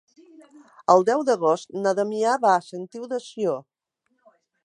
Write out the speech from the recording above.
El deu d'agost na Damià va a la Sentiu de Sió.